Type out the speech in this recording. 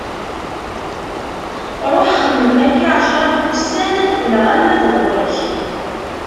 Ruḥ xemmem, akka ɛecra n wussan ad d-qqleɣ alma d ɣur-k.